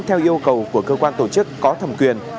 theo yêu cầu của cơ quan tổ chức có thẩm quyền